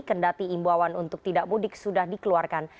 kendati imbauan untuk tidak mudik sudah dikeluarkan